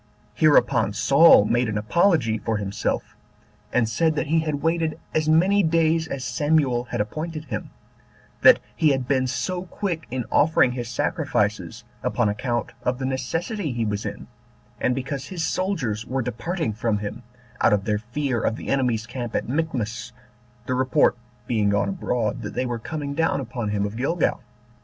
Hereupon Saul made an apology for himself, and said that he had waited as many days as Samuel had appointed him; that he had been so quick in offering his sacrifices, upon account of the necessity he was in, and because his soldiers were departing from him, out of their fear of the enemy's camp at Michmash, the report being gone abroad that they were coming down upon him of Gilgal.